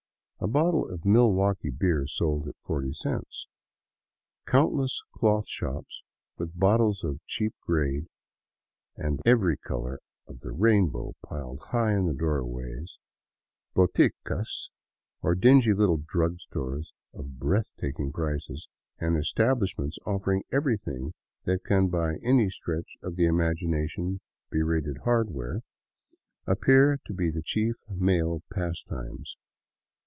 A bottle of Milwaukee beer sold at 40 cents. Countless cloth shops, with bolts of cheap grade and of every color of the rainbow piled high in the doorways; hoticas, or dingy little drugstores of breath taking prices; and establishments offering everything that can by any stretch of the imagination be rated hardware, appear to be the chief male pastimes.